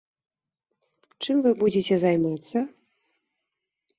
Чым вы будзеце займацца?